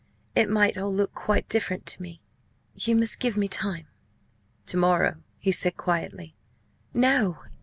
It might all look quite different to me. You must give me time." "To morrow?" he said quietly. "No!"